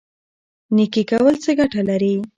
نیکي کول څه ګټه لري؟